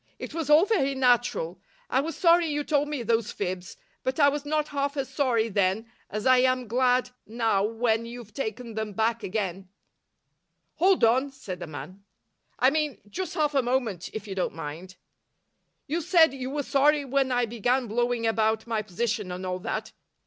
"It was all very natural. I was sorry you told me those fibs, but I was not half as sorry then as I am glad now when you've taken them back again." "Hold on," said the man. "I mean, just half a moment, if you don't mind. You said you were sorry when I began blowing about my position and all that.